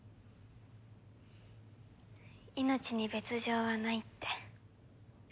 命に別条はないって。